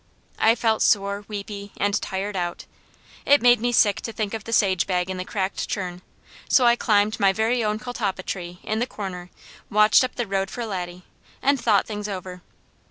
I felt sore, weepy, and tired out. It made me sick to think of the sage bag in the cracked churn, so I climbed my very own catalpa tree in the corner, watched up the road for Laddie, and thought things over.